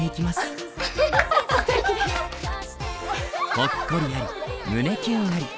ほっこりあり胸キュンあり。